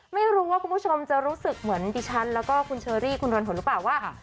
ไม่รู้ว่าคุณผู้ชมจะรู้สึกเหมือนดิฉันแล้วก็คุณเชอรี่คุณเรือนหนหรือเปล่าว่า